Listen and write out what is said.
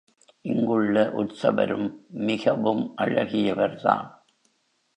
இங்குள்ள உற்சவரும் மிகவும் அழகியவர்தான்.